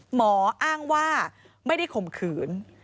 หมออ้างว่าไม่ได้ข่มขืน